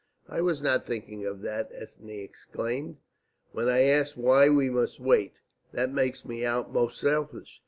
"I was not thinking of that," Ethne exclaimed, "when I asked why we must wait. That makes me out most selfish.